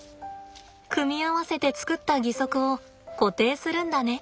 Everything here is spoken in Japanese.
組み合わせて作った義足を固定するんだね。